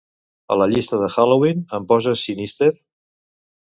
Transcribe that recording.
A la llista de Halloween, em poses "Sinister"?